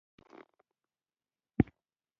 همېشه د خپل ځان څخه پوښتني وکئ!